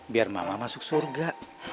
biar mama masuk surga